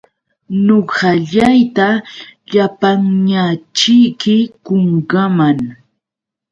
Ñuqallayta llapanñaćhiki qunqaaman.